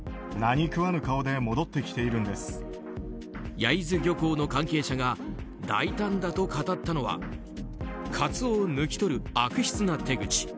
焼津漁港の関係者が大胆だと語ったのはカツオを抜き取る悪質な手口。